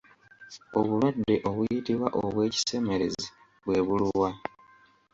Obulwadde obuyitibwa obw'ekisemerezi bwe buluwa?